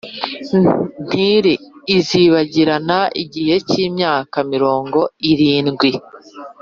Tiri izibagirana igihe cy’imyaka mirongo irindwi,